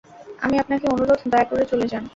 আমি আপনাকে অনুরোধ, দয়া করে চলে যান।